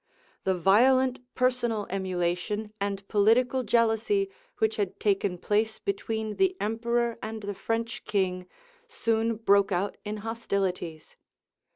[*]* Polyd. Virg. Hall. The violent personal emulation and political jealousy which had taken place between the emperor and the French king, soon broke out in hostilities.